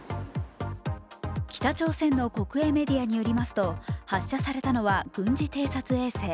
北朝鮮の国営メディアによりますと発射されたのは軍事偵察衛星。